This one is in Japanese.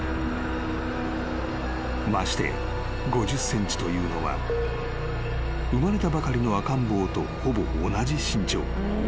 ［ましてや５０ｃｍというのは生まれたばかりの赤ん坊とほぼ同じ身長］